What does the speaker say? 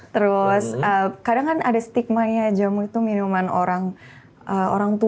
terus kadang kan ada stigmanya jamu itu minuman orang tua